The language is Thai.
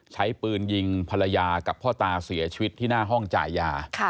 ใช้ปืนยิงภรรยากับพ่อตาเสียชีวิตที่หน้าห้องจ่ายยา